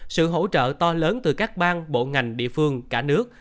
sự hỗ trợ to lớn từ các bang bộ ngành địa phương cả nước